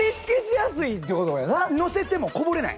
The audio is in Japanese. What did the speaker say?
のせてもこぼれない！